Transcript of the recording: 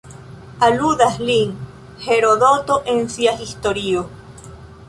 Aludas lin Herodoto en sia Historio.